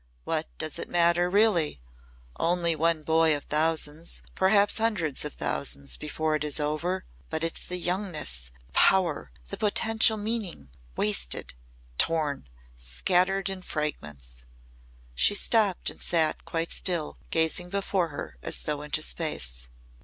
"What does it matter really? Only one boy of thousands perhaps hundreds of thousands before it is over? But but it's the youngness the power the potential meaning wasted torn scattered in fragments." She stopped and sat quite still, gazing before her as though into space.